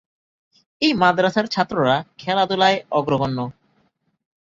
এই মাদ্রাসার ছাত্ররা খেলা-ধুলায় অগ্রগণ্য।